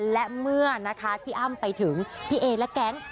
และเมื่อนะคะพี่อ้ำไปถึงพี่เอและแก๊ง